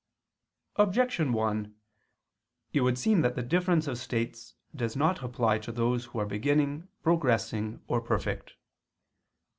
Objection 1: It would seem that the difference of states does not apply to those who are beginning, progressing, or perfect.